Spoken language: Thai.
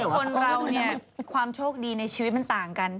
คนเราเนี่ยความโชคดีในชีวิตมันต่างกัน